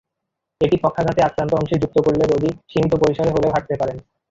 এটি পক্ষাঘাতে আক্রান্ত অংশে যুক্ত করলে রোগী সীমিত পরিসরে হলেও হাঁটতে পারেন।